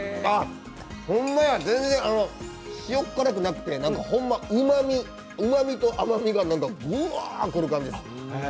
ほんまや、全然塩っ辛くなくて、うまみと甘みがぶわー来る感じです。